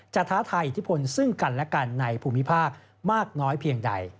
ท้าทายอิทธิพลซึ่งกันและกันในภูมิภาคมากน้อยเพียงใด